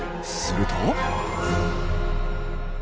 すると。